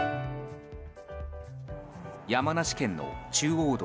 山梨県の中央道